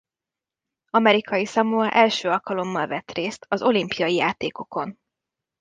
Amerikai Szamoa első alkalommal vett részt az olimpiai játékokon.